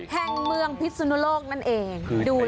แห่งเมืองพิศนุโลกนั่นเอง